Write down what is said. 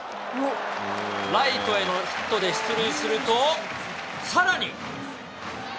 ライトへのヒットで出塁すると、さらに。